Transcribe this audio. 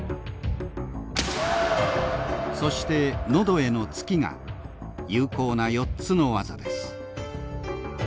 そして喉への「突き」が有効な４つの技です。